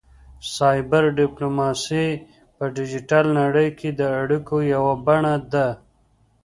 سایبر ډیپلوماسي په ډیجیټل نړۍ کې د اړیکو یوه بڼه ده